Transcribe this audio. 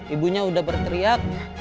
ibunya udah berteriak